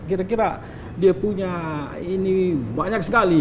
istilahnya lumayan lah